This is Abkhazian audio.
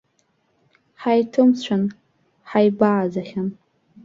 Ҳаиҭымцәан, ҳаибааӡахьан.